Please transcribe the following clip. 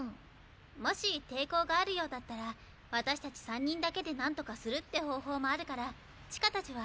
もし抵抗があるようだったら私たち３人だけで何とかするって方法もあるから千歌たちは。